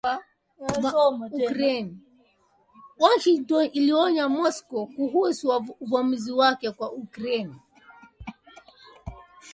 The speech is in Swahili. Washington inaionya Moscow kuhusu uvamizi wake kwa Ukraine